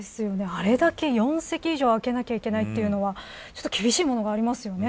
あれだけ、４席以上空けないといけないというのはちょっと厳しいものがありますよね。